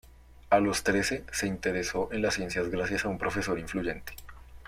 A los trece, se interesó en las ciencias gracias a un profesor influyente.